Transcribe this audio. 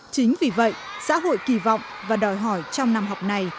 chính vì vậy xã hội kỳ vọng và đòi hỏi trong năm học này